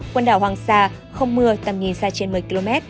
quần đảo hoàng sa không mưa tầm nhìn xa trên một mươi km